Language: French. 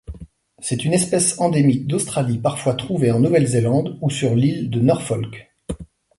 C'est une espèce endémique d'Australie parfois trouvée en Nouvelle-Zélande ou sur l'île de Norfolk.